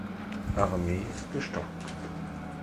Armee gestoppt.